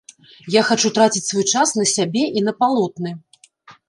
Я хачу траціць свой час на сябе і на палотны.